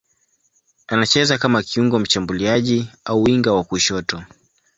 Anacheza kama kiungo mshambuliaji au winga wa kushoto.